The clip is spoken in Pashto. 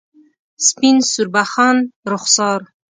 سپین سوربخن رخسار